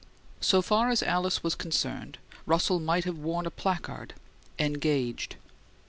So far as Alice was concerned Russell might have worn a placard, "Engaged."